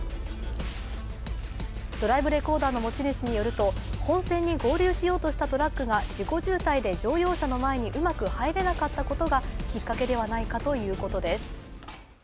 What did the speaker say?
ドライブレコーダーの持ち主によると本線に合流しようとしたトラックが事故渋滞で乗用車の前にうまく入れなかったことがきっかけではないかということです。